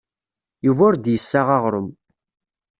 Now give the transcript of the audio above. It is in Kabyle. Yuba ur d-yessaɣ aɣrum.